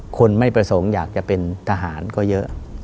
คนไม่ประสงค์อยากจะเป็นทหารก็เยอะ